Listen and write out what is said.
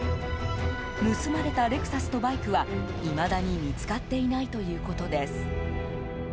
盗まれたレクサスとバイクはいまだに見つかっていないということです。